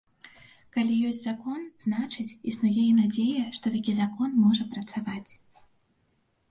Калі ёсць закон, значыць, існуе і надзея, што такі закон можа працаваць.